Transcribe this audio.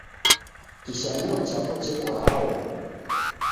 kishanua chapo cheko hao?